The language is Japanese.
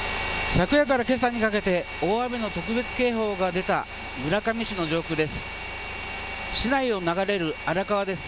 昨夜からけさにかけて大雨の特別警報が出た村上市の上空です。